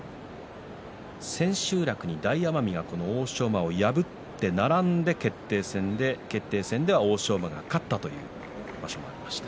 千秋楽で大奄美が欧勝馬を破って並んで決定戦で決定戦では欧勝馬が勝ったという場所もありました。